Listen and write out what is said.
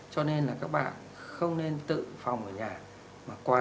cho nên là các bạn không nên tự phòng ở nhà